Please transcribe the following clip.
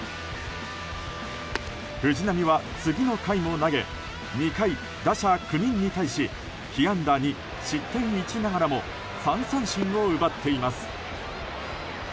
藤浪は次の回も投げ２回、打者９人に対し被安打２、失点１ながらも３三振を奪っています。